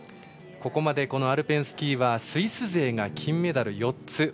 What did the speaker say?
ここまで、アルペンスキーがスイス勢が金メダル４つ。